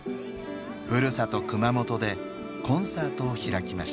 ふるさと熊本でコンサートを開きました。